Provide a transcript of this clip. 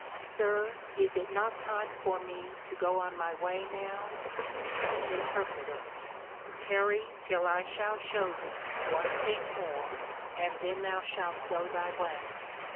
Sir, is it not time for me to go on my way now? INTER. Tarry till I shall shew thee one thing more, and then thou shalt go thy way.